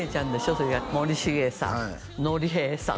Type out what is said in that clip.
それから森繁さんのり平さん